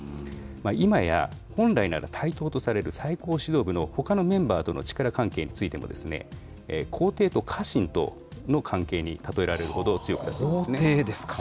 今や、本来なら対等とされる最高指導部のほかのメンバーとの力関係についても、皇帝と家臣との関係に例えられるほど強くなっていますね。